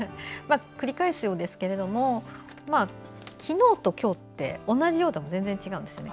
繰り返すようですけど昨日と今日って同じようでも全然違うんですね。